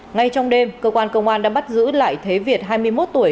ngay trong đêm cơ quan công an đã bắt giữ lại thế việt hai mươi một tuổi